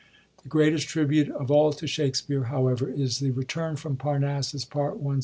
The greatest tribute of all to Shakspere, however, is the Betume from Pema88U8t Part I.